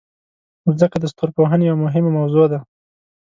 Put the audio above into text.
مځکه د ستورپوهنې یوه مهمه موضوع ده.